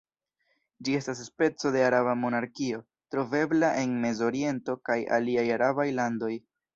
Ĝi estas speco de araba monarkio, trovebla en mezoriento kaj aliaj arabaj landoj.